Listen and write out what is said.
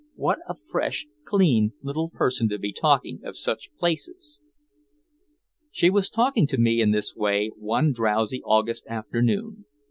What a fresh, clean little person to be talking of such places. She was talking to me in this way one drowsy August afternoon.